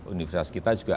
universitas kita juga